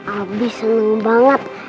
abi seneng banget